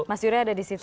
mas yurya ada di situ